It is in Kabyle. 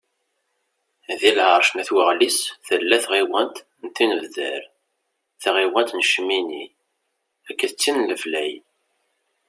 Deg lεerc n At Waɣlis, tella tɣiwant n Tinebdar, taɣiwant n Cmini, akked tin n Leflay.